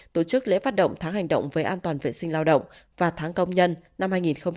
tổ chức lễ phát động tháng hành động về an toàn vệ sinh lao động và tháng công nhân năm hai nghìn hai mươi